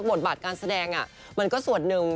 บทบาทการแสดงมันก็ส่วนหนึ่ง